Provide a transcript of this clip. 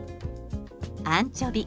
アンチョビ。